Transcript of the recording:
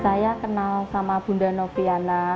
saya kenal sama bunda noviana